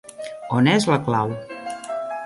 On és la clau?